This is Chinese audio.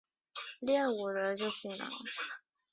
它是氟化氯与含氧化合物反应产生的常见副产物。